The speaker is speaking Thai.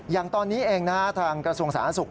อย่างตอนนี้เองทางกระทรวงศาลนักศึกษ์